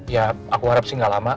ya aku harap sih gak lama